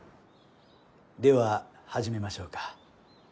では始めましょうか。